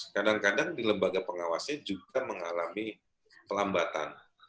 kadang kadang di lembaga pengawasnya juga mengalami pelambatan